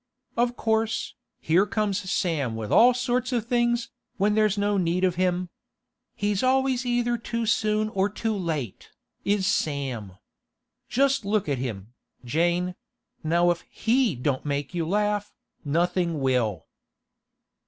Of course, here comes Sam with all sorts of things, when there's no need of him. He's always either too soon or too late, is Sam. Just look at him, Jane; now if he don't make you laugh, nothing will!